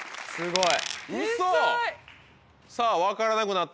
すごい。